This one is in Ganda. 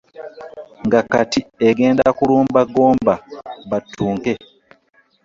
Nga kati egenda kulumba Gomba battunke.